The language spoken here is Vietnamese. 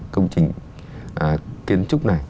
công trình kiến trúc này